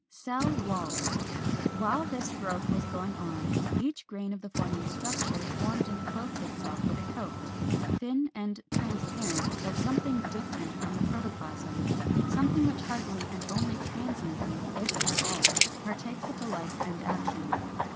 ] 399. =Cell walls.= While this growth was going on, each grain of the forming structure formed and clothed itself with a coat, thin and transparent, of something different from protoplasm, something which hardly and only transiently, if at all, partakes of the life and action.